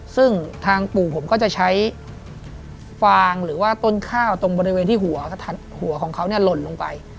ซึ่งทางปู่ผมก็จะใช้ฟางหรือว่าต้นข้าวตรงบริเวณที่หัวของเขาหล่นลงไป